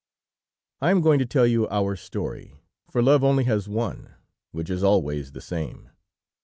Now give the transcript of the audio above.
"I am going to tell you our story, for love only has one, which is always the same.